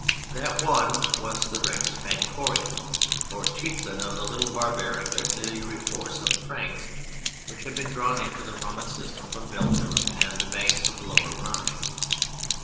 That one was the Rex Francorum or chieftain of the little barbaric auxiliary force of "Franks" which had been drawn into the Roman system from Belgium and the banks of the lower Rhine.